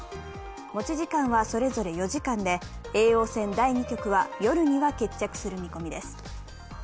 持ち時間はそれぞれ４時間で、叡王戦第２局は夜には決着する見込みです。